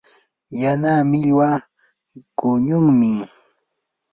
yana millwa quñunmi.